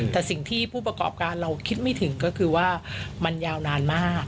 แต่สิ่งที่ผู้ประกอบการเราคิดไม่ถึงก็คือว่ามันยาวนานมาก